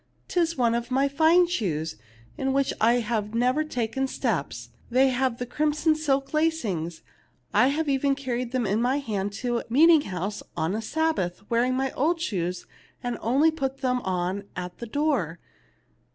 'Tis one of my fine shoes, in which I have never taken steps. They have the crimson silk lacings. I have even carried them in my hand to the meet ing house on a Sabbath, wearing my old ones, and only put them on at the door.